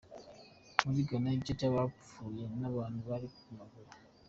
Muri Ghana, igice c'abapfuye ni abantu bari ku maguru.